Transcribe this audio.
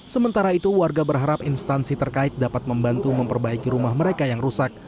sementara itu warga berharap instansi terkait dapat membantu memperbaiki rumah mereka yang rusak